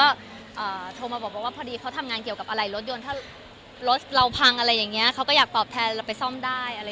แบบบ่วงว่าทักโจทย์เลยว่าเราไม่ได้ทำแบบที่เคยคุณพูด